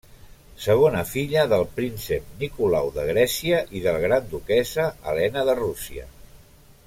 Segona filla del príncep Nicolau de Grècia i de la gran duquessa Helena de Rússia.